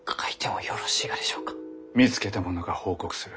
見つけた者が報告する。